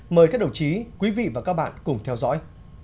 mời các đồng chí quý vị và các bạn cùng theo dõi